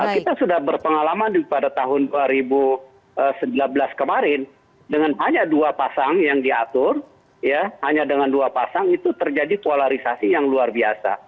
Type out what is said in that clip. kita sudah berpengalaman pada tahun dua ribu sembilan belas kemarin dengan hanya dua pasang yang diatur hanya dengan dua pasang itu terjadi polarisasi yang luar biasa